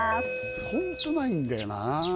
ホントないんだよなあ